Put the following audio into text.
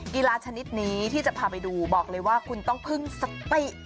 กีฬาชนิดนี้ที่จะพาไปดูบอกเลยว่าคุณต้องพึ่งสติ